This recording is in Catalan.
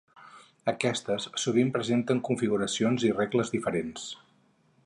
Aquestes sovint presenten configuracions i regles diferents.